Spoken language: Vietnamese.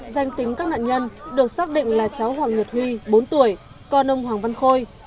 danh tính các nạn nhân được xác định là cháu hoàng nhật huy bốn tuổi con ông hoàng văn khôi